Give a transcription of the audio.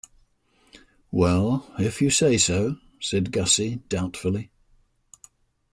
"Well, if you say so," said Gussie doubtfully.